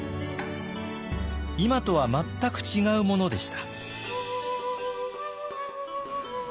今とは全く違うものでした。